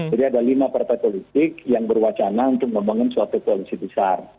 jadi ada lima partai politik yang berwacana untuk membangun suatu koalisi besar